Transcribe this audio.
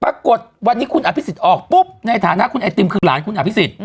ปรากฏวันนี้คุณอภิษฎออกปุ๊บในฐานะคุณไอติมคือหลานคุณอภิษฎ